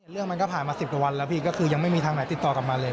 เรื่องมันก็ผ่านมา๑๐กว่าวันแล้วพี่ก็คือยังไม่มีทางไหนติดต่อกลับมาเลย